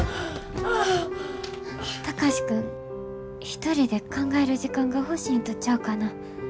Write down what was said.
一人で考える時間が欲しいんとちゃうかな。